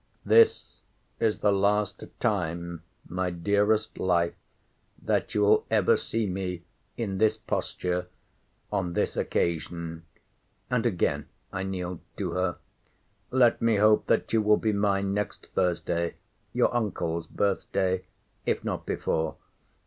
This is the last time, my dearest life, that you will ever see me in this posture, on this occasion: and again I kneeled to her. Let me hope, that you will be mine next Thursday, your uncle's birth day, if not before.